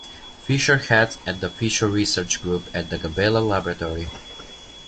Fisher heads the Fisher Research Group at the Gaballe Laboratory.